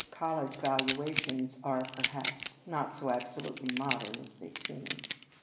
College valuations are, per haps, not so absolutely modern as they seem.